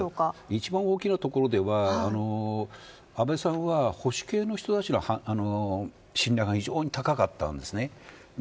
一番大きなところでは安倍さんは保守系の人たちの信頼が非常に高かったです。